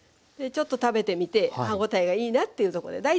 ちょっと食べてみて歯応えがいいなっていうとこで。